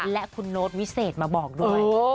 และเคราะห์โน้ตวิเศษมาบอกด้วย